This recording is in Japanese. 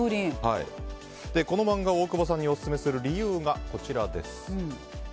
この漫画、大久保さんにオススメする理由がこちら。